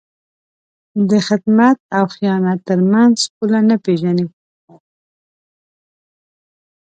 د خدمت او خیانت تر منځ پوله نه پېژني.